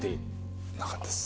なかったです。